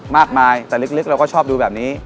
มากมายแต่ลึกเราก็ชอบดูแบบนี้